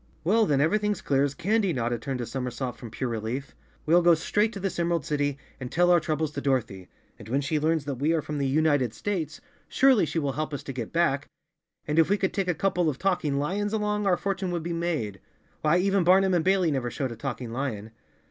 "Well, then everything's clear as candy!" Notta turned a somersault from pure relief. "We'll go straight to this Emerald City and tell our troubles to Dorothy, and when she learns that we are from the United States, surely she will help us to get back, and if we could take a couple of talking lions along our fortune would be 62 Chapter Five made. Why, even Bamum and Bailey never showed a talking lion."